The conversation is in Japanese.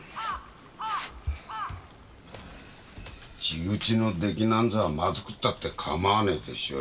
地口の出来なんぞはまずくたってかまわねえでしょうよ。